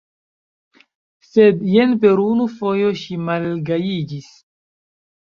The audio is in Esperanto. Sed jen per unu fojo ŝi malgajiĝis.